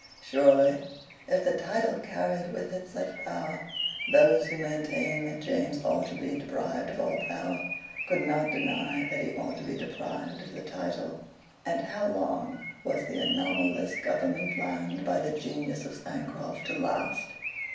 Surely, if the title carried with it such power, those who maintained that James ought to be deprived of all power could not deny that he ought to be deprived of the title. And how long was the anomalous government planned by the genius of Sancroft to last?